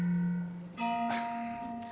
di depan kau